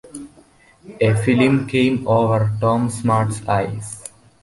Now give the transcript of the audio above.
A film came over Tom Smart’s eyes.